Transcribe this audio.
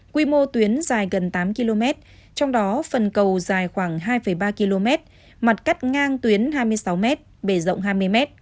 quy mô tuyến dài gần tám km trong đó phần cầu dài khoảng hai ba km mặt cắt ngang tuyến hai mươi sáu m bề rộng hai mươi m